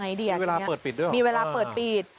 เวลาเปิดปิดด้วยมีเวลาเปิดปีด